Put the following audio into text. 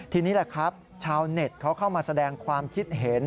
ทีนี้แหละครับชาวเน็ตเขาเข้ามาแสดงความคิดเห็น